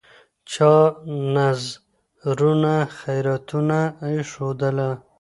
چا نذرونه خیراتونه ایښودله